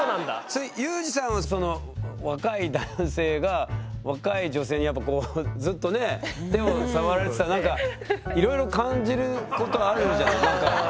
それ裕士さんは若い男性が若い女性にやっぱこうずっとね手を触られてたらいろいろ感じることあるんじゃない？